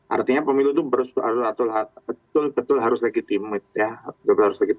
artinya pemilu itu betul betul harus legitimas